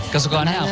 kesukaannya apa ibu